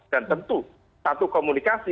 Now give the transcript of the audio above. dan tentu satu komunikasi